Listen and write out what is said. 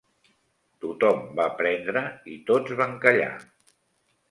Tot-hom va prendre, i tots van callar